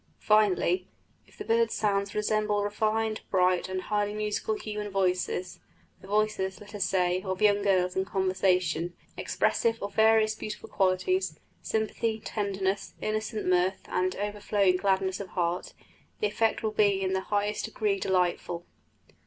Finally, if the bird sounds resemble refined, bright, and highly musical human voices, the voices, let us say, of young girls in conversation, expressive of various beautiful qualities sympathy, tenderness, innocent mirth, and overflowing gladness of heart the effect will be in the highest degree delightful.